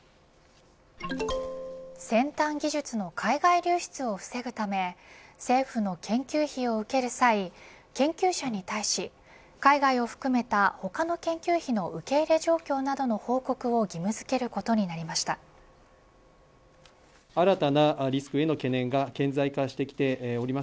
先端技術の海外流出を防ぐため政府の研究費を受ける際研究者に対し海外を含めた他の研究費の受け入れ状況などの報告を義務付けることになりました。